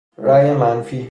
رأی منفی